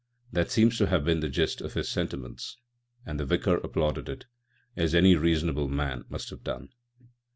That seems to have been the gist of his sentiments, and the Vicar applauded it, as any reasonable man must have done.